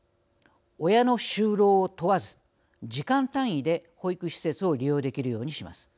親の就労を問わず時間単位で保育施設を利用できるようにします。